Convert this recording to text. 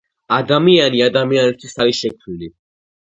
ადამიანი ადამიანისთვის არის შექმნილი